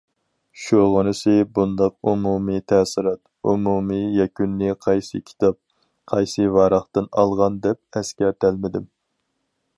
شۇغىنىسى بۇنداق ئومۇمىي تەسىرات، ئومۇمىي يەكۈننى قايسى كىتاب، قايسى ۋاراقتىن ئالغان دەپ ئەسكەرتەلمىدىم.